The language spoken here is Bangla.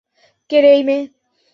কে রে এই মেয়ে?